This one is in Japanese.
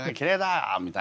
みたいな。